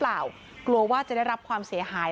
แล้วทำท่าเหมือนลบรถหนีไปเลย